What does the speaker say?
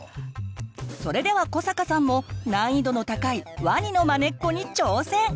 それでは古坂さんも難易度の高いワニのまねっこに挑戦！